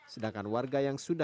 sedangkan warga yang sepupuknya